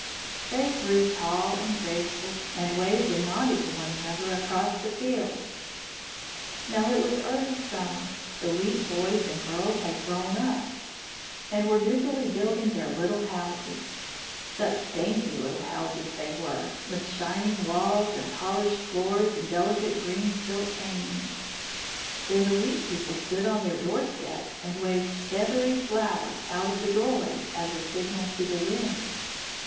They grew tall and graceful, and waved and nodded to one another across the field. Now it was early summer. The wheat boys and girls had grown up, and were busily building their little houses. Such dainty little houses they were, with shining walls and polished floors and delicate green silk hangings. Then the wheat people stood on their doorsteps and waved feathery flowers out of the doorways as a signal to the wind.